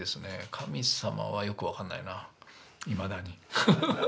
神様はよく分かんないないまだに。